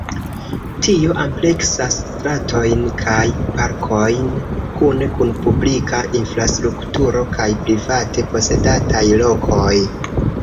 Tio ampleksas stratojn kaj parkojn kune kun publika infrastrukturo kaj private-posedataj lokoj.